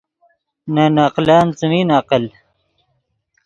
نے نقلن څیمین عقل